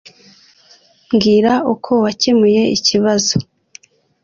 Mbwira uko wakemuye ikibazo.